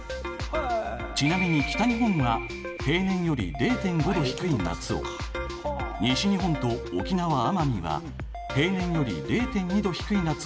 ちなみに北日本は平年より０．５℃低い夏を西日本と沖縄・奄美は平年より０．２℃低い夏を冷夏といいます。